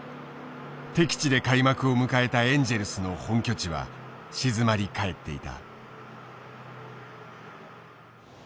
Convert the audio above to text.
敵地で開幕を迎えたエンジェルスの本拠地は静まり返っていた。